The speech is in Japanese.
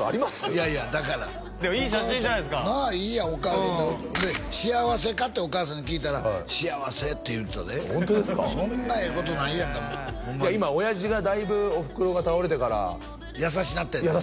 いやいやだからいい写真じゃないですかで「幸せか？」ってお母さんに聞いたら「幸せ」って言うてたでホントですかそんなええことないやんか今親父がだいぶおふくろが倒れてから優しなったんやろ？